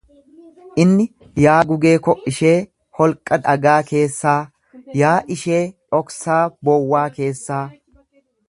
Inni, 'Yaa gugee ko ishee holqa dhagaa keessaa, yaa ishee dhoksaa bowwaa keessaa,